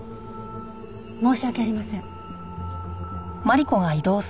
申し訳ありません。